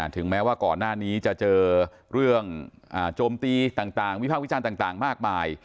ถึงแม้ว่าก่อนหน้านี้จะเจอเรื่องโจมตีต่างวิภาควิจารณ์ต่างมากมาย